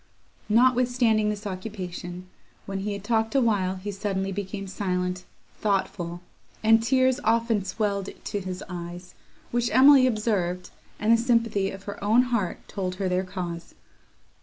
Notwithstanding this occupation, when he had talked awhile he suddenly became silent, thoughtful, and tears often swelled to his eyes, which Emily observed, and the sympathy of her own heart told her their cause.